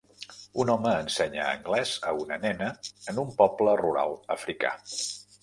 Un home ensenya anglès a una nena en un poble rural africà.